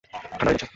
ঠান্ডা হয়ে যাচ্ছে।